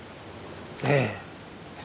ええ。